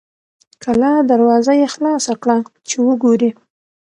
کلا دروازه یې خلاصه کړه چې وګوري.